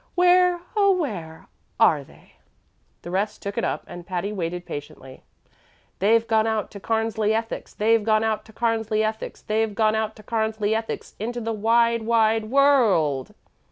"Where, oh, where are they?" The rest took it up, and Patty waited patiently. "They've gone out of Cairnsley's ethics, They've gone out of Cairnsley's ethics, They've gone out of Cairnsley's ethics, Into the wide, wide w o r l d."